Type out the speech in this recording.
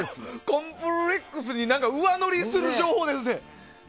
コンプレックスに上塗りする情報ですね。